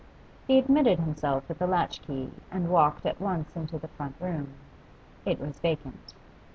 He admitted himself with a latch key and walked at once into the front room; it was vacant.